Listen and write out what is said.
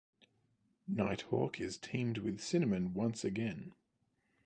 Nighthawk is teamed with Cinnamon once again.